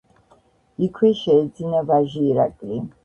იქვე შეეძინა ვაჟი ირაკლი.